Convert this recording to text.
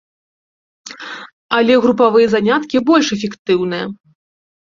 Але групавыя заняткі больш эфектыўныя.